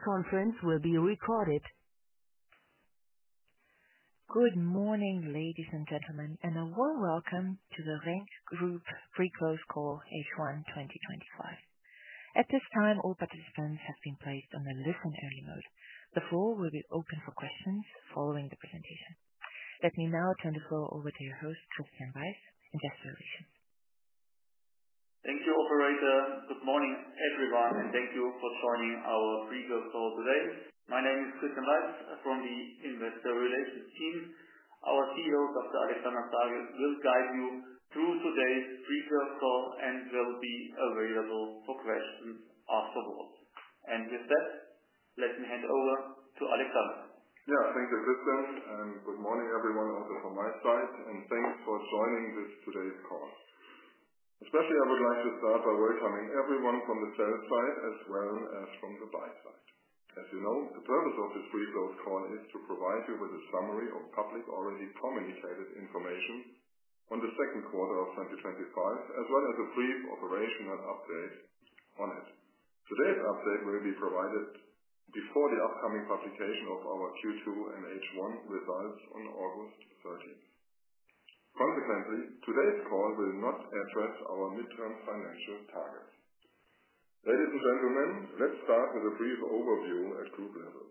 This conference will be recorded. Good morning ladies and gentlemen and a warm welcome to the RENK Group pre-close call H1 2025. At this time, all participants have been placed on a listen-only mode. The floor will be open for questions following the presentation. Let me now turn the floor over to your host, Christian Weiß, Industrial. Thank you, operator. Good morning, everyone, and thank you for joining our pre-curve call today. My name is Christian Leipz from the Investor Relations team. Our CEO, Dr. Alexander Sagel, will guide you through today's pre-growth call and will be available for questions afterwards. With that, let me hand over to Alexander. Yeah, thank you, Christian, and good morning, everyone, from my side, and thanks for joining today's call. Especially, I would like to start by welcoming everyone from the sell side as well as from the buy side. As you know, the purpose of this pre-growth call is to provide you with a summary of public, already communicated information on the second quarter of 2025 as well as a brief operational update on it. Today's update will be provided before the upcoming publication of our Q2 and H1 results on August 30. Consequently, today's call will not address our midterm financial target. Ladies and gentlemen, let's start with a brief overview at group level.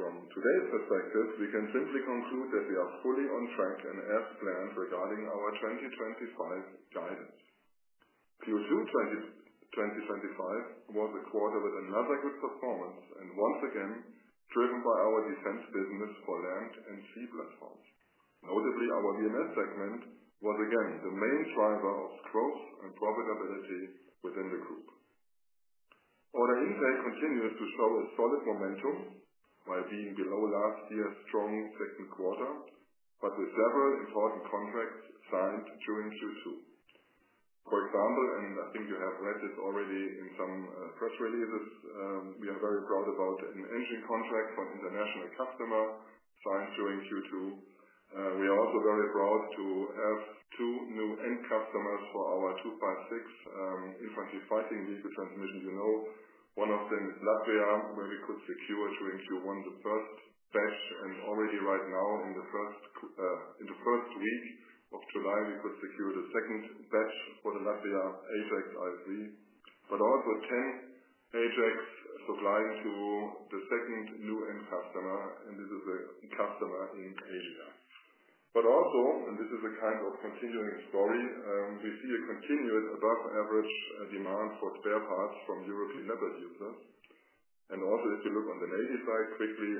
From today's perspective, we can simply conclude that we are fully on track and as planned regarding our 2025 guidance. Q2 2025 was a quarter with another good performance and once again driven by our defense business for land and sea platforms. Notably, our VMS segment was again the main driver of growth and profitability within the group. Order intake continues to show a solid momentum while being below last year's strong second quarter, with several important contracts signed during Q2. For example, and I think you have read this already in some press releases, we are very proud about an engine contract for an international customer during Q2. We are also very proud to have two new end customers for our 256 Infantry Fighting Vehicle transmission. You know one of them is Latvia, where we could secure during Q1 the first batch, and already right now in the first week of July, we could secure the second batch for the Latvia Ajax i3, but also 10 Ajax supplying to the second new end customer. This is a customer in Asia. Also, this is a kind of continuing story, we see a continued above average demand for spare parts from European Leopard users. If you look on the Navy side quickly,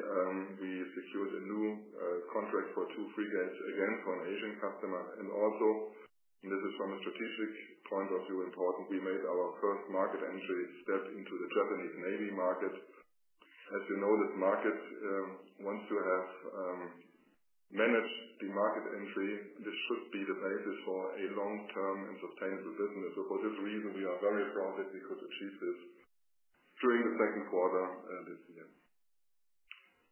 we secured a new contract for two frigates again for an Asian customer. From a strategic point of view, this is important, we made our first market entry step into the Japanese Navy market. As you know, this market wants to have manage the market entry. This should be the basis for a long-term and sustainable business. For this reason, we are very proud that we could achieve this during the second quarter this year.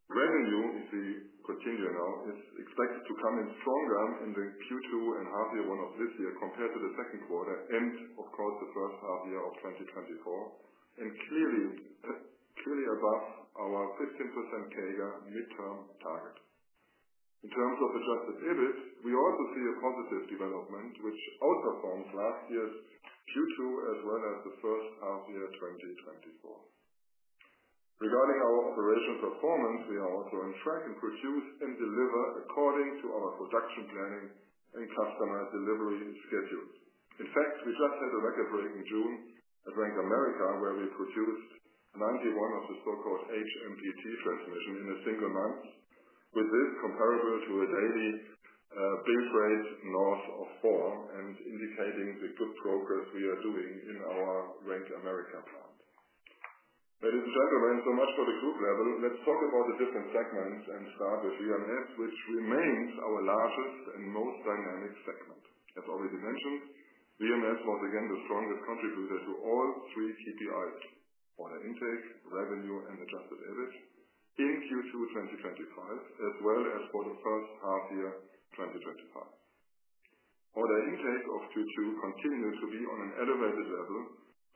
Revenue, if we continue now, is expected to come in stronger in Q2 and half year one of this year compared to the second quarter and, of course, the first half year of 2024 and clearly above our 15% CAGR midterm target. In terms of adjusted EBIT, we also see a positive development which outperformed last year's Q2 as well as the first half year 2024. Regarding our operational performance, we are also on track and produce and deliver according to our production planning and customer delivery schedules. In fact, we just had a record break in June at RENK America where we produced 91 of the so-called HMPT transmissions in a single month. This is comparable to a daily build rate north of 4 and indicates the good progress we are making in our RENK America plant. Ladies and gentlemen, so much for the group level. Let's talk about the different segments and start with Vehicle Mobility Solutions (VMS), which remains our largest and most dynamic segment. As already mentioned, VMS was again the strongest contributor to all three: order intake, revenue, and adjusted EBITDA in Q2 2025 as well as for the first half year 2025. Order intake of Q2 continues to be on an elevated level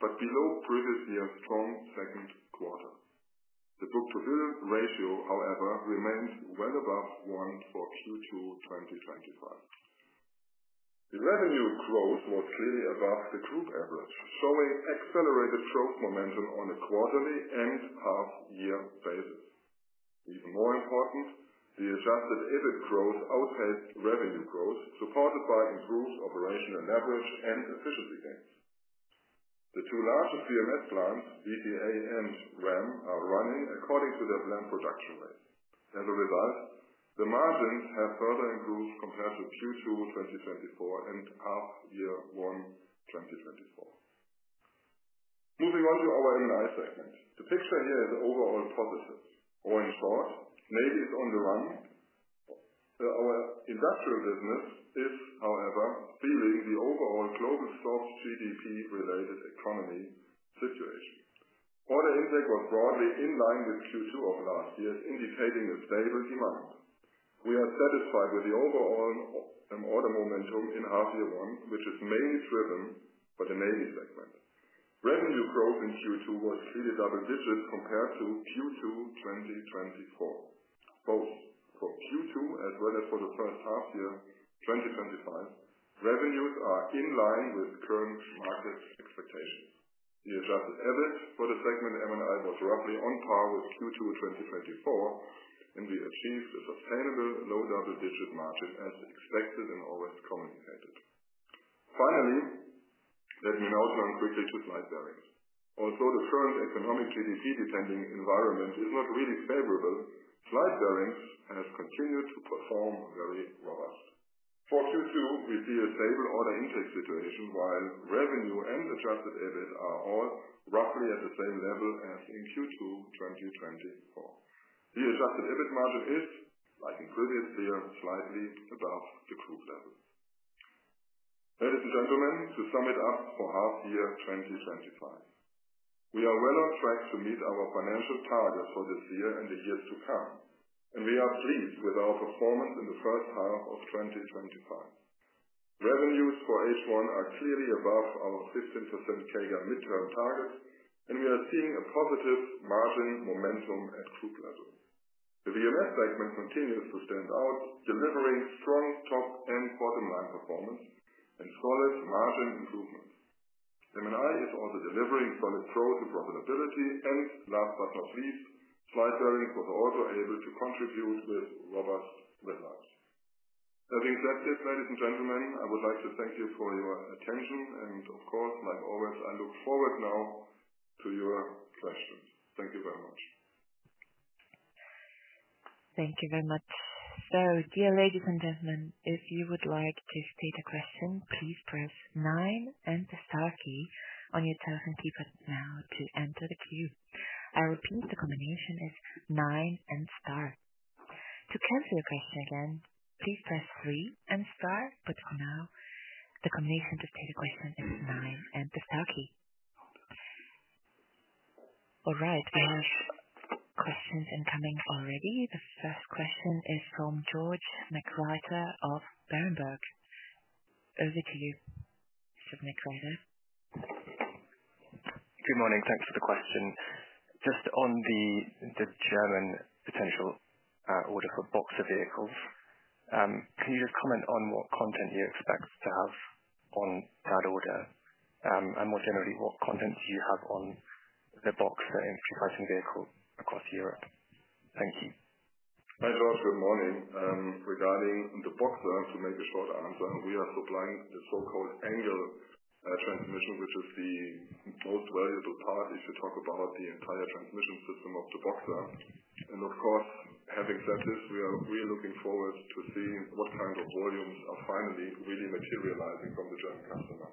but below previous year's strong second quarter. The book-to-bill ratio, however, remains well above 1 for Q2 2025. The revenue growth was clearly above the group average, showing accelerated growth momentum on a quarterly and half-year basis. Even more important, the adjusted EBIT growth outpaced revenue growth, supported by improved operational leverage and efficiency gains. The two largest VMS plants, BTA and RAM, are running according to their planned production rate. As a result, the margins have further improved compared to Q2 2024 and half year one 2024. Moving on to our marine & industry (M&I) segment, the picture here is overall positive or, in short, Navy is on the run. Our industrial business is, however, feeling the overall global soft GDP-related economy situation. Order intake was broadly in line with Q2 of last year, indicating a stable demand. We are satisfied with the overall order momentum in half year one, which is mainly driven by, for the Navy segment, revenue growth in Q2 was clearly double digits compared to Q2 2024. Both for Q2 as well as for the first half year 2025, revenues are in line with current market expectations. The adjusted EBIT for the segment M&I was roughly on par with Q2 2024, and we achieved a sustainable low double-digit margin as it always commonly had. Finally, let me now turn quickly to Slide Bearings. Although the current economic GDP-dependent environment is not really favorable, Slide Bearings has continued to perform very robust for Q2. We see a stable order intake situation. While revenue and adjusted EBIT are all roughly at the same level as in Q2 2024, the adjusted EBIT margin is, like in previous year, slightly above the group level. Ladies and gentlemen, to sum it up, for half year 2025 we are well on track to meet our financial target for this year and the years to come, and we are pleased with our performance in the first half of 2025. Revenues for H1 are clearly above our 15% CAGR midterm targets, and we are seeing a positive margin momentum at group level. The VMS segment continues to stand out, delivering strong top and bottom line performance and solid margin improvement. M&I is also delivering solid growth and profitability, and last but not least, Slide Bearings was also able to contribute with robust results. Having said this, ladies and gentlemen, I would like to thank you for your attention, and of course, like always, I look forward now to your question. Thank you very much. Thank you very much. Dear ladies and gentlemen, if you would like to state a question, please press 9 and the star key on your telephone keypad to enter the queue. I repeat, the combination is 9 and star. To cancel your question, again please press 3 and star. For now, the combination to dictate your question is 9 and the star key. All right, we have questions incoming already. The first question is from George McLeod of Berenberg. Over to you. Good morning. Thanks for the question. Just on the German potential order for Boxer vehicles, can you just comment on what content you expect to have on that order? More generally, what content do you have on the Boxer vehicles across Europe? Thank you. Hi Josh, good morning. Regarding the Boxer, to make a short answer, we are supplying the so-called angle transmission, which is the most valuable part if you talk about the entire transmission system of the Boxer. Of course, having said this, we are really looking forward to seeing what kind of volumes are finally really materializing from the German customer.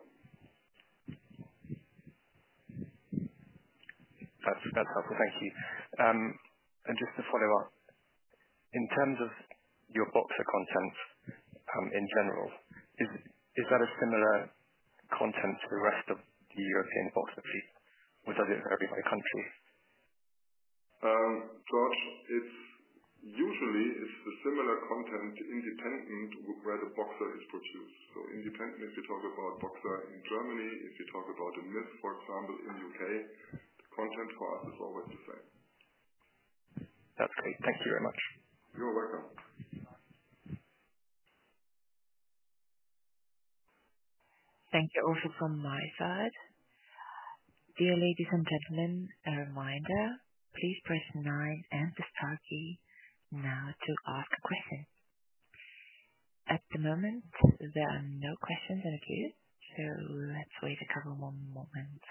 That's helpful, thank you. Just to follow up, in terms of your Boxer content in general, is that a similar content to the rest of the European Boxer or does it vary by country? Torch, it's usually the similar content independent where the Boxer is produced, so independent. If we talk about Boxer in Germany, if you talk about a MIV, for example, in the U.K., the content for us is always the same. That's great. Thank you very much. You're welcome. Thank you. Office on my side. Dear ladies and gentlemen, a reminder, please press 9 and the Star key now to ask a question. At the moment, there are no questions in the queue, so let's wait a couple more moments.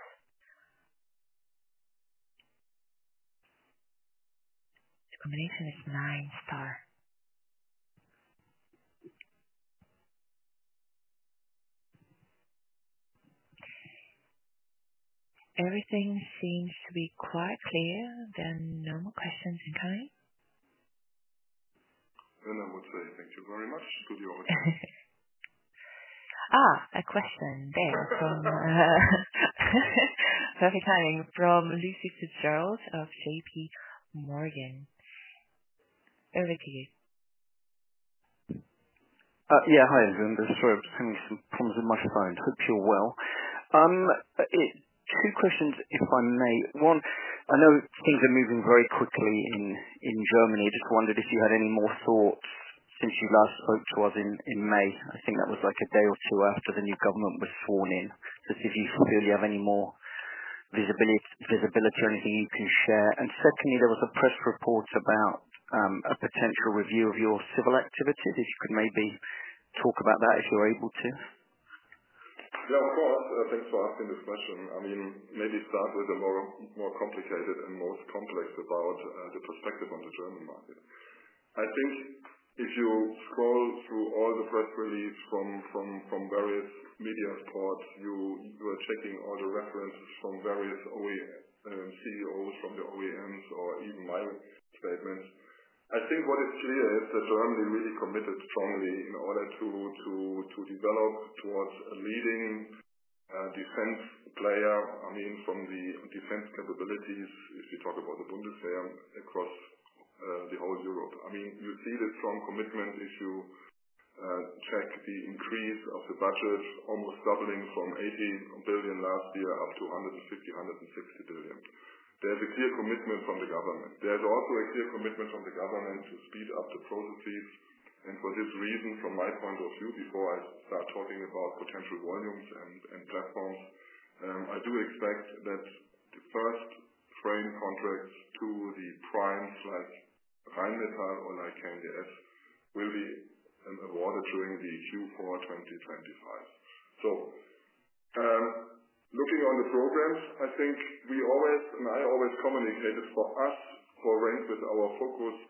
The combination is nine Star. Everything seems to be quite clear. There are no more questions in kind. I would say thank you very much to the audience. A question there from perfect timing from Lucy Fitzgerald of J.P. Morgan, over to you. Hi everyone. Sorry I'm having some problems with my phone. Hope you're well. Two questions if I may. One, I know things are moving very quickly in Germany. I just wondered if you had any more thoughts since you last spoke to us in May. I think that was like a day or two after the new government was sworn in to see if you feel you have any more visibility or anything you can share. Secondly, there was a press report about a potential review of your civil activities. If you could maybe talk about that if you're able to. Yeah, of course. Thanks for asking this question. Maybe start with the more complicated and most complex about the perspective on the German market. I think if you scroll through all the press releases from various media reports, you are checking all the references from various CEOs from the OEMs or even my statements. I think what is clear is that Germany really committed strongly in order to develop towards a strategy leading defense player. I mean from the defense capabilities. If you talk about the Bundeswehr across the whole Europe, you see the strong commitment. If you check the increase of the budget, almost doubling from €80 billion last year up to €150, €160 billion, there's a clear commitment from the government. There's also a clear commitment from the government to speed up the processes. For this reason, from my point of view, before I start talking about potential volumes and platforms, I do expect that the first frame contracts to the primes like Rheinmetall or like KNDS will be awarded during Q4 2025. Looking on the programs, I think we always, and I always communicate it for us for RENK with our focused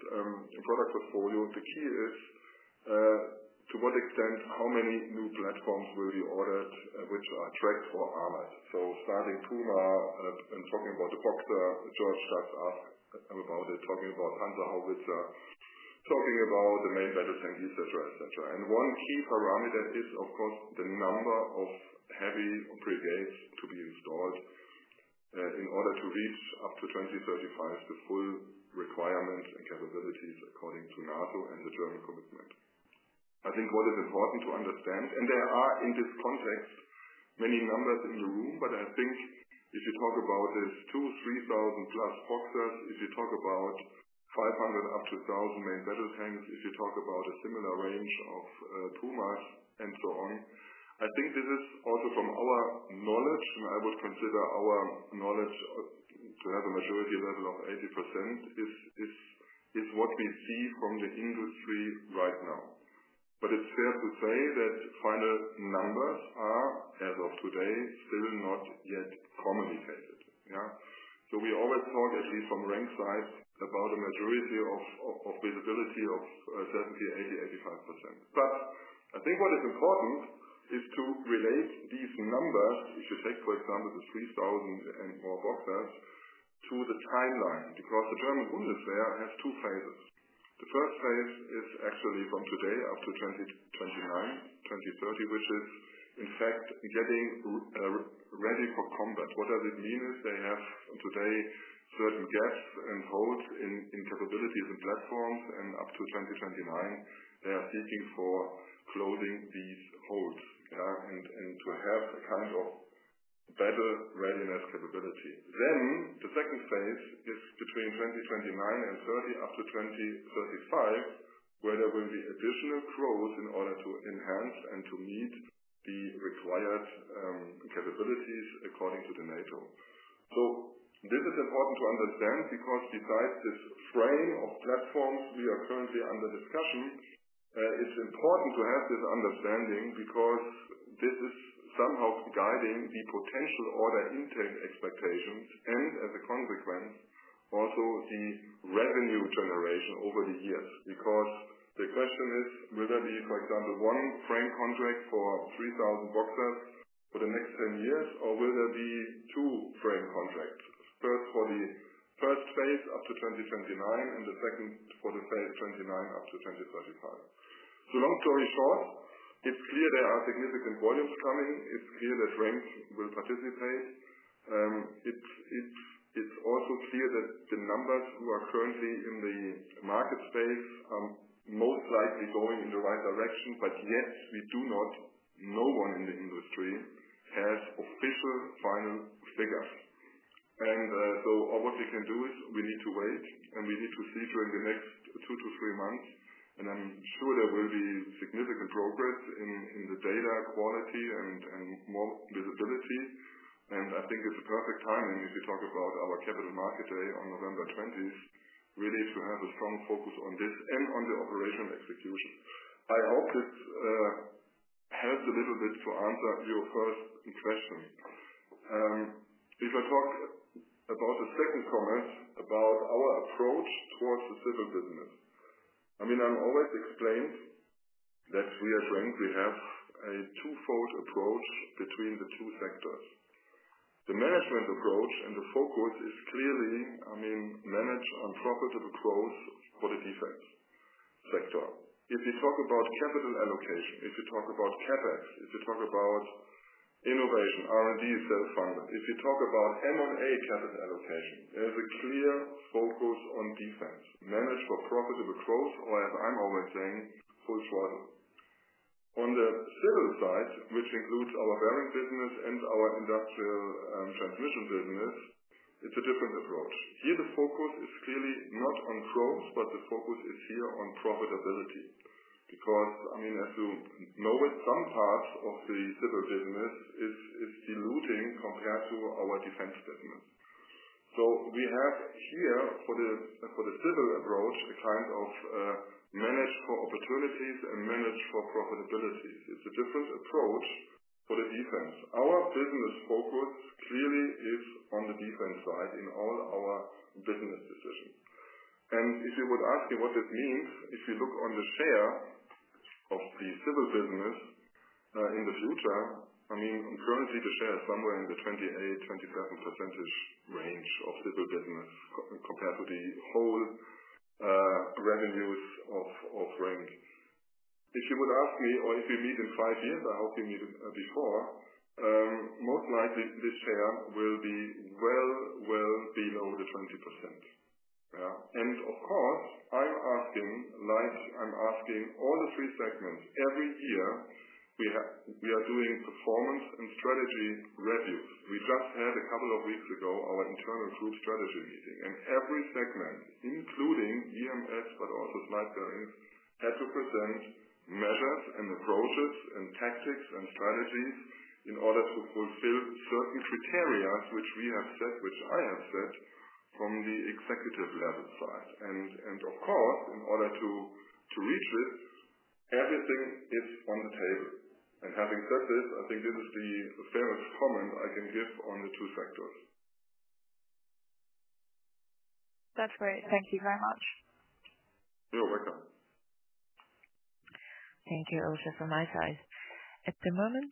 product portfolio. The key is to what extent, how many new platforms will be ordered which are tracked for armies. Starting Puma and talking about the Boxer. George just asked about it. Talking about Hansa Howitzer, talking about the main battle tank, et cetera, et cetera. One key parameter is, of course, the number of heavy obligates to be used in order to reach up to 2035, the full requirements and capabilities according to NATO and the German commitment. I think what is important to understand, and there are in this context many numbers in the room, but I think if you talk about this 2,000, 3,000 plus Boxers, if you talk about 500 up to 1,000 main battle tanks, if you talk about a similar range of Pumas and so on, I think this is also from our knowledge, and I would consider our knowledge to have a maturity level of 80%, is what we see from the industry right now. It's fair to say that final numbers are, as of today, still not yet commonly stated. We always talk, at least from RENK's side, about a majority of visibility of 70%, 80%, 85%. I think what is important is to relate these numbers, if you take for example the 3,000 Boxers, to the timeline. The German Bundeswehr has two phases. The first phase is actually from today up to 2029, 2030, which is in fact getting ready for combat. What does it mean is they have today certain gaps and holes in capabilities and platforms up to 2029. They are seeking for closing these holes and to have a kind of better readiness capability. The second phase is between 2029 and 2030 up to 2035, where there will be additional growth in order to enhance and to meet the required capabilities according to NATO. This is important to understand because besides this frame of platforms, we are currently under discussion. It's important to have this understanding because this is somehow guiding the potential order intake expectations and as a consequence also the revenue generation over the years. The question is, will there be, for example, one frame contract for 3,000 Boxer vehicles for the next 10 years, or will there be two frame contracts, the first for the first phase up to 2029 and the second for the phase 2029 up to 2035. Long story short, it's clear there are significant volumes coming. It's clear that RENK will participate. It's also clear that the numbers who are currently in the market space are most likely going in the right direction. Yet we do not. No one in the industry has official final figures. What we can do is we need to wait and we need to see during the next two to three months. I'm sure there will be significant progress in the data quality and more visibility. I think it's a perfect timing if you talk about our capital market day on November 20th really to have a strong focus on this and on the operational execution. I hope that helps a little bit to answer your first question. If I talk about the second comments about our approach towards the civil business, I mean I'm always explaining that we at RENK have a twofold approach between the two sectors. The management approach and the focus is clearly, I mean, manage unprofitable growth for the defense sector. If you talk about capital allocation, if you talk about CapEx, if you talk about innovation, R&D, self-funded, if you talk about M&A capital allocation, there is a clear focus on defense managed for profitable growth or as I'm always saying, full throttle. On the civil side, which includes our bearing business and our industrial transmission business, it's a different approach here. The focus is clearly not on growth but the focus is here on profitability because I mean as you know with some parts of the civil business it's diluting compared to our defense business. We have here for the civil approach a kind of manage for opportunities and manage for profitability. It's a different approach for the defense. Our business focus clearly is on the defense side in all our business decisions. If you would ask me what that means if you look on the share of the civil business in the future, I mean currently the share is somewhere in the 28% to 27% range of civil business compared to the whole revenues of RENK. If you would ask me or if we meet in five years, I hope you meet before, most likely this share will be well, well below the 20%. Of course, I'm asking, I'm asking all the three segments. Every year we are doing performance and strategy reviews. We just had a couple of weeks ago our internal group strategy meeting and every segment, including VMS, but also Slide Bearings, had to present measures and approaches and tactics and strategies in order to fulfill certain criteria which we have set, which I have set from the executive level side, and of course in order to reach it. Everything is on the table. Having said this, I think this is the fairest comment I can give on the two sectors. That's great. Thank you very much. You're welcome. Thank you, Osha. For my side at the moment,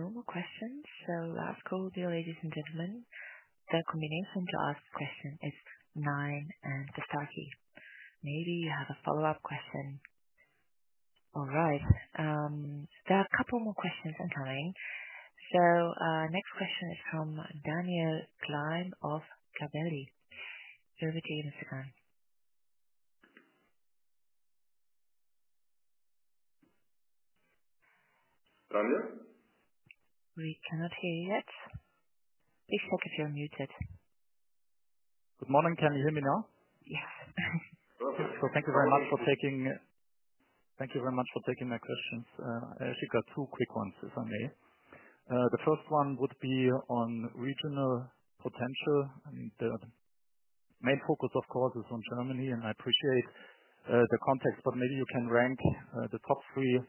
no more questions. I ask all the ladies and gentlemen, the combination to ask a question is 9. Pistaki, maybe you have a follow-up question. All right, there are a couple more questions incoming. Next question is from Daniel Klein of Berenberg. Over to you, Mr. Klein. Rania, we cannot hear you yet. Please check if you're muted. Good morning. Can you hear me now? Yes. Thank you very much for taking my questions. I actually got two quick ones, if I may. The first one would be on regional potential. The main focus of course is on Germany and I appreciate the context, but maybe you can rank the top three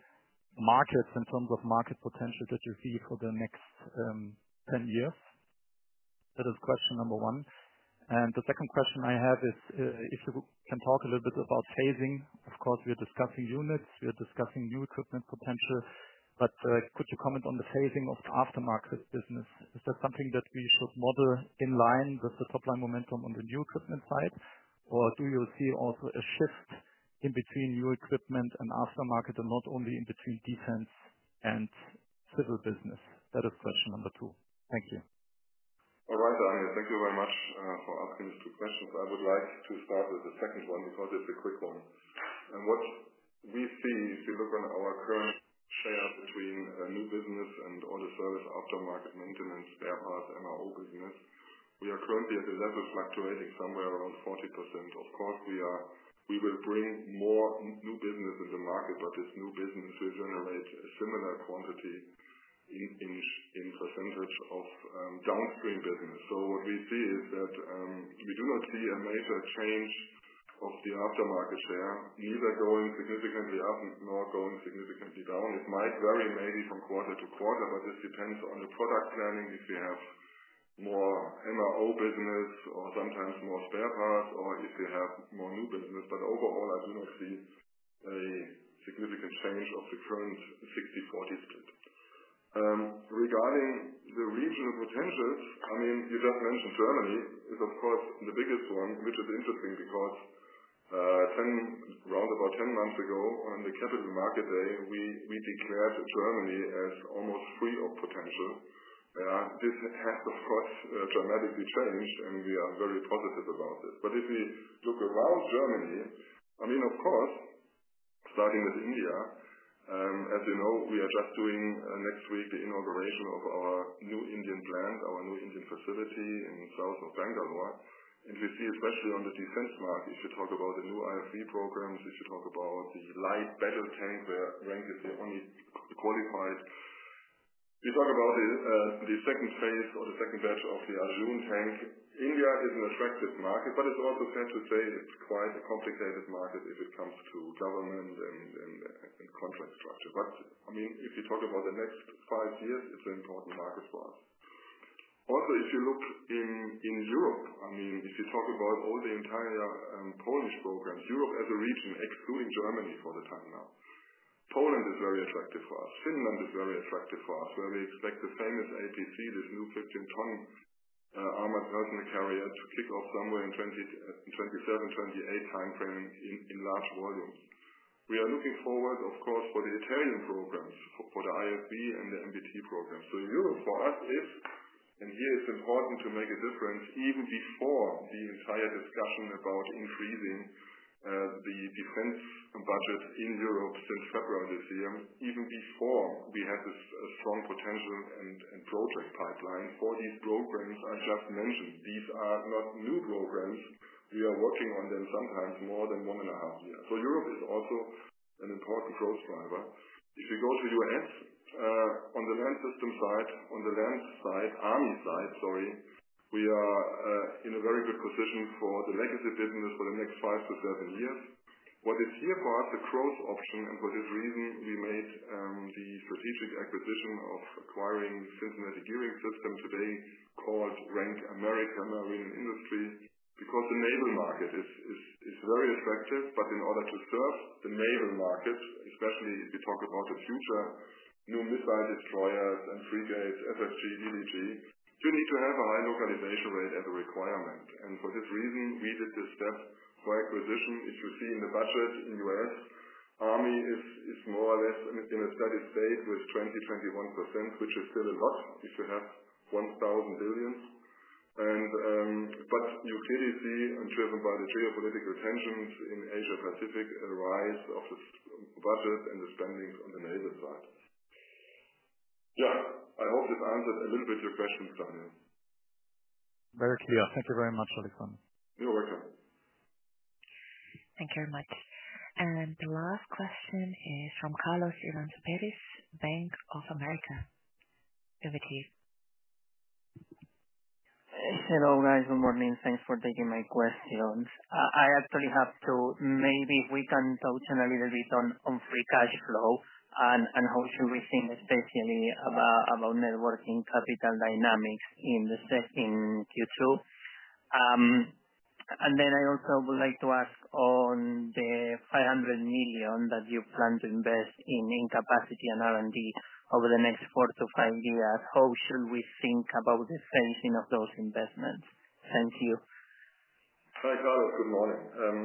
markets in terms of market potential that you see for the next 10 years. That is question number one. The second question I have is if you can talk a little bit about phasing. Of course we are discussing units, we are discussing new equipment potential. Could you comment on the phasing of aftermarket business? Is that something that we should model in line with the top line momentum on the new equipment side? Do you see also a shift in, in between new equipment and aftermarket and not only in between defense and civil business? That is question number two. Thank you. All right, thank you very much for asking these two questions. I would like to start with the second one because it's a quick one. What we see if you look on our current share between new business and all the service, aftermarket maintenance, spare parts, MRO business, we are currently at the level fluctuating somewhere around 40%, or of course we will bring more new business in the market, but this new business will generate a similar quantity in % of downstream business. What we see is that we do not see a major change of the aftermarket share, neither going significantly up nor going significantly down. It might vary maybe from quarter to quarter, but this depends on the product planning if you have more MRO business or sometimes more spare parts or if you have more new business. Overall, I do not see a significant change of the current 60:40 split. Regarding the regional potentials, I mean you just mentioned Germany is of course the biggest one, which is interesting because. Around. About 10 months ago on the capital market day, we declared Germany as almost free of potential. This has of course dramatically changed and we are very positive about it. If we look around Germany, starting with India, as you know, we are just doing next week the inauguration of our new Indian plant, our new Indian facility in the south of Bangalore. We see especially on the defense market, you should talk about the new IFV programs. We should talk about the light battle tank where RENK is the only qualified. We talk about the second phase or the second batch of the Arjun tank. India is an attractive market, but it's also fair to say it's quite a complicated market if it comes to government and contract structure. If you talk about the next five years, it's an important market for us. Also if you look in Europe, if you talk about all the entire Polish programs, Europe as a region, excluding Germany for the time now, Poland is very attractive for us. Finland is very attractive for us. We expect the famous APC, this new 15 ton armored hurtling carrier, to kick off somewhere in the 2027-2028 timeframe in large volumes. We are looking forward, of course, for the Italian programs for the IFV and the MBT programs. Europe for us is, and here it's important to make a difference even before the entire discussion about increasing the defense budget in Europe since February this year, even before we had this strong potential and project pipeline for these programs I just mentioned. These are not new programs. We are working on them sometimes more than one and a half years. Europe is also an important growth driver. If you go to the U.S. on the land system side, on the land side, army side, we are in a very good position for the legacy business for the next five to seven years. What is here for us? The growth option. For this reason we made the strategic acquisition of acquiring Cincinnati Gearing Systems, today called RENK America Marine & Industry. The naval market is very attractive. In order to serve the naval market, especially if you talk about the future new missile destroyers and frigates FSG DDG, you need to have a high localization rate as a requirement. For this reason we did this step for acquisition. If you see in the budget in the U.S. army, it is more or less in a steady state with 20-21%, which is still a lot if you have $1,000 billion. You clearly see, driven by the geopolitical tensions in Asia Pacific, a rise of the budget and the spending on the naval side. I hope this answered a little bit your question, Claudia. Very clear. Thank you very much, Alexander. You're welcome. Thank you very much. The last question is from Carlos Ivan Zapieris, Bank of America, over Chief. Hello guys. Good morning. Thanks for taking my questions. I actually have two. Maybe we can touch on a little bit on free cash flow and how should we think especially about net working capital dynamics in the second Q2. I also would like to ask on the $500 million that you plan to invest in capacity and R&D over the next four to five years, how should we think about the phasing of those investments? Thank you. Hi Carlos, good morning.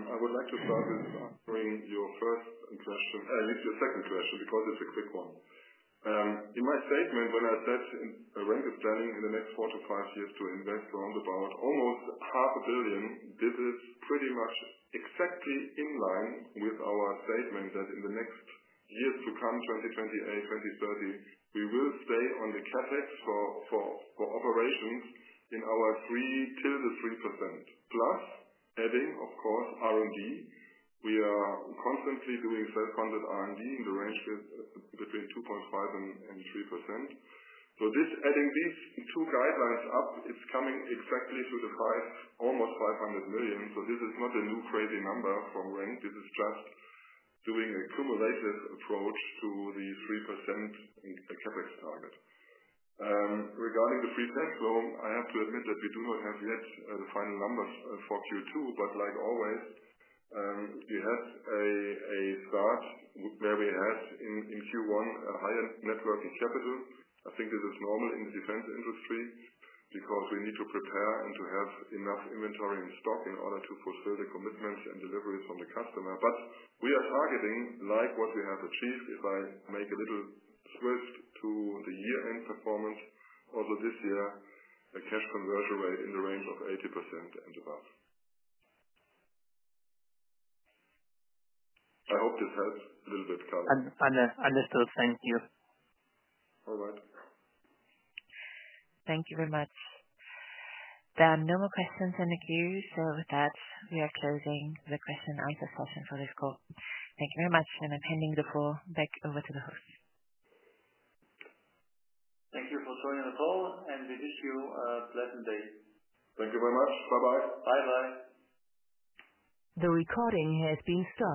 I would like to start with answering your first question, at least your second question, because it's a quick one. In my statement, when I said RENK of planning in the next four to five years to invest around about almost half a billion, this is pretty much exactly in line with our statement that in the next years to come, 2028, 2030, we will stay on the CapEx for operations in our 3 till the 3% plus adding of course R&D. We are constantly doing self-funded R&D in the range between 2.5 and so this adding these two guidelines up, it's coming exactly to the price, almost $500 million. This is not a new crazy number from RENK. This is just doing a cumulative approach to the 3% CapEx target. Regarding the free cash flow, I have to admit that we do not have yet the final numbers for Q2, but like always, you have a start where we had in Q1 a higher net working capital. I think this is normal in the defense industry because we need to prepare and to have enough inventory in stock in order to fulfill the commitments and deliveries from the customer. We are targeting like what we have achieved. If I make a little swift to the year-end performance, also this year a cash conversion rate in the range of 80% and above. I hope this helps a little bit. Understood, thank you. All right. Thank you very much. There are no more questions in the queue, so with that, we are closing the question and answer session for this call. Thank you very much, and I'm handing the floor back over to the host. Thank you for joining the call and we wish you a pleasant day. Thank you very much. Bye bye. The recording has been stopped.